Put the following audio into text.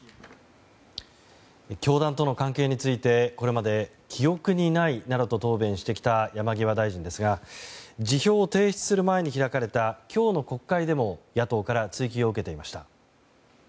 教団との関係についてこれまで記憶にないなどと答弁してきた山際大臣ですが辞表を提出する前に開かれた今日の国会でも野党から追及を受けていました。